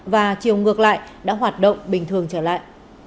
và chiều ngược lại đã hoạt động bình thường trở lại